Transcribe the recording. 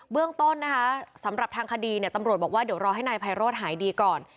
เรื่องต้นนะคะสำหรับทางคดีเนี่ยตำรวจบอกว่าเดี๋ยวรอให้นายไพโรธหายดีก่อน